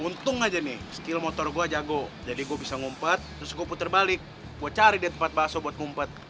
untung aja nih skill motor gua jago jadi gua bisa ngumpet terus gua puter balik gua cari deh tempat baso buat ngumpet